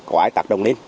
có ai tạc đồng lên